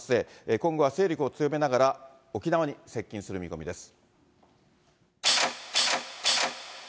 今後は勢力を強めながら、沖縄に接近する見込みです。